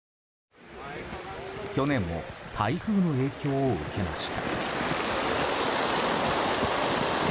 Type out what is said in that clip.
去年も台風の影響を受けました。